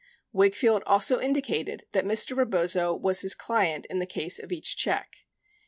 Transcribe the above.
82 Wakefield also indicated that Mr. Rebozo was his client in the case of each check.